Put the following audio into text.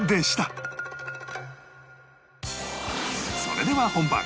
それでは本番！